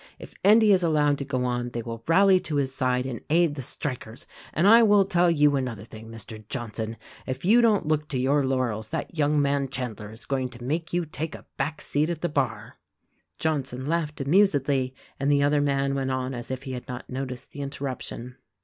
If Endy is allowed to go on they will rally to his side and aid the strikers ; and I will tell you another thing, Mr. Johnson, if you don't look to your laurels that young man Chandler is going to make you take a back seat at the bar." Johnson laughed amusedly, and the other man went on as if he had not noticed the interruption.